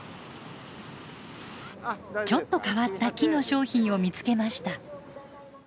ちょっと変わった木の商品を見つけました。